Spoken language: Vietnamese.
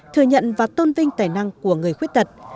thừa nhận và tôn vinh tài năng của người khuyết tật